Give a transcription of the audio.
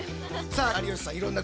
さあ有吉さん